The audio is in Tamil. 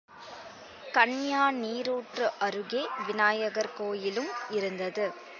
கன்யா நீரூற்று அருகே விநாயகர் கோயிலும் இருந்தது.